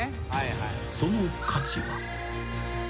［その価値は］